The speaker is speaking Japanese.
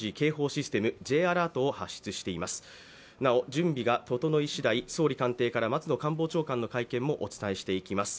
準備が整い次第、総理官邸から松野官房長官の会見もお伝えしていきます。